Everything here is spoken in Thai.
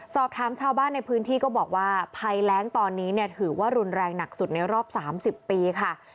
สอบถามชาวบ้านในพื้นที่ก็บอกว่าภัยแรงตอนนี้เนี่ยถือว่ารุนแรงหนักสุดในรอบ๓๐ปีค่ะ